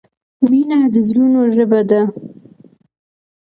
مینه د زړونو ژبه ده.